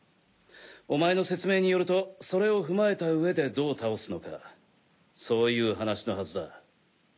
お前の説明によるとそれを踏まえたうえでどう倒すのかそういう話のはずだ。